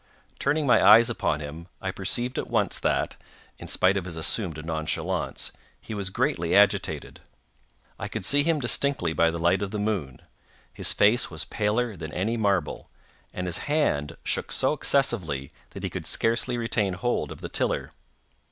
Turning my eyes upon him, I perceived at once that, in spite of his assumed nonchalance, he was greatly agitated. I could see him distinctly by the light of the moon—his face was paler than any marble, and his hand shook so excessively that he could scarcely retain hold of the tiller.